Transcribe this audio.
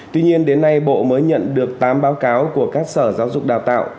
tuy nhiên đến nay bộ mới nhận được tám báo cáo của các sở giáo dục đào tạo